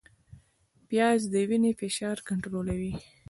پیاز د وینې فشار کنټرولوي